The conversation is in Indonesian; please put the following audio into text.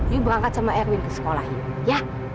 yuk berangkat sama erwin ke sekolah yuk